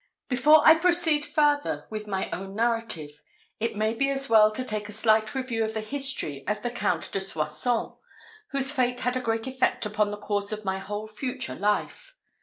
Before I proceed farther with my own narrative, it may be as well to take a slight review of the history of the Count de Soissons, whose fate had a great effect upon the course of my whole future life.